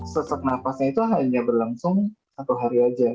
sesek napasnya itu hanya berlangsung satu hari aja